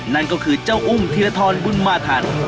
นั่นก็คือเจ้าอุ้มธีรทรบุญมาทัน